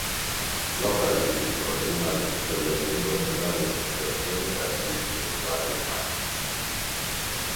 L'opera di Pittore rimase tuttavia a lungo in grande considerazione presso gli intellettuali romani.